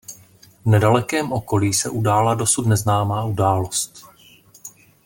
V nedalekém okolí se udála dosud neznámá událost.